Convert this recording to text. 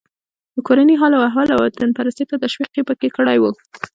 د کورني حال و احوال او وطنپرستۍ ته تشویق یې پکې کړی و.